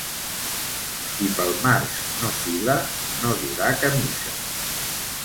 Qui pel març no fila, no durà camisa.